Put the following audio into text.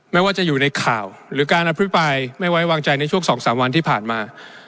ไม่ว่าจะอยู่ในข่าวหรือการอภิปรายไม่ไว้วางใจในช่วง๒๓วันที่ผ่านมา